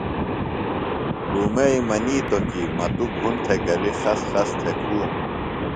لُومئی منیتو کی مہ تو بُھن تھےۡ گلیۡ خس خس تھےۡ کُھوم۔